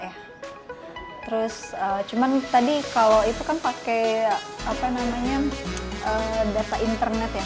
terus cuma tadi kalau itu kan pakai data internet ya